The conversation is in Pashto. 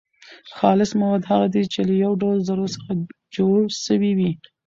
خالص مواد هغه دي چي له يو ډول ذرو څخه جوړ سوي وي.